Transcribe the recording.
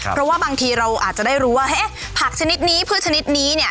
เพราะว่าบางทีเราอาจจะได้รู้ว่าเอ๊ะผักชนิดนี้พืชชนิดนี้เนี่ย